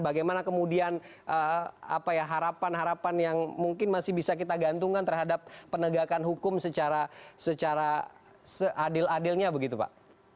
bagaimana kemudian harapan harapan yang mungkin masih bisa kita gantungkan terhadap penegakan hukum secara seadil adilnya begitu pak